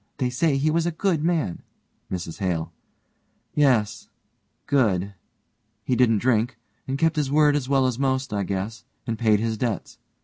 They say he was a good man. MRS HALE: Yes good; he didn't drink, and kept his word as well as most, I guess, and paid his debts.